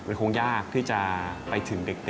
มันคงยากที่จะไปถึงเด็ก